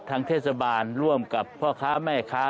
ทางเทศบาลร่วมกับพ่อค้าแม่ค้า